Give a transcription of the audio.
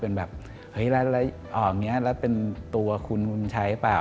เออแล้วเป็นตัวคุณใช้เปล่า